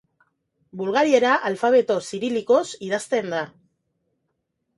Bulgariera alfabeto zirilikoz idazten da.